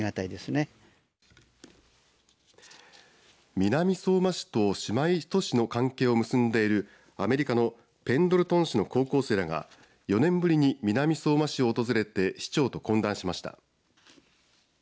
南相馬市と姉妹都市の関係を結んでいるアメリカのペンドルトン市の高校生らが４年ぶりに南相馬市を訪れて市長と懇談しました。